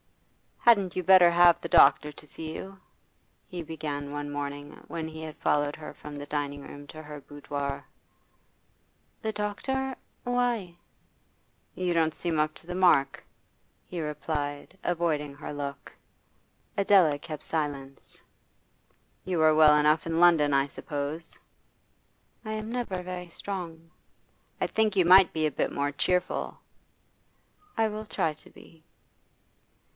'Hadn't you better have the doctor to see you?' he began one morning when he had followed her from the dining room to her boudoir. 'The doctor? Why?' 'You don't seem up to the mark,' he replied, avoiding her look. Adela kept silence. 'You were well enough in London, I suppose?' 'I am never very strong.' 'I think you might be a bit more cheerful.' 'I will try to be.